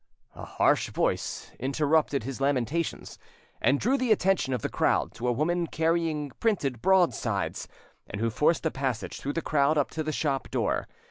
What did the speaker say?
A harsh voice interrupted his lamentations, and drew the attention of the crowd to a woman carrying printed broadsides, and who forced a passage through the crowd up to the shop door.